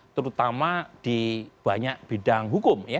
terutama di banyak bidang hukum